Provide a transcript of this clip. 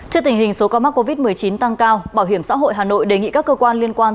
trước tình hình số ca mắc covid một mươi chín tăng cao bảo hiểm xã hội hà nội đề nghị các cơ quan liên quan